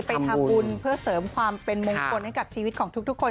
ไปทำบุญเพื่อเสริมความเป็นมงคลให้กับชีวิตของทุกคน